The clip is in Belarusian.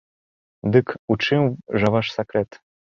Дык у чым жа ваш сакрэт?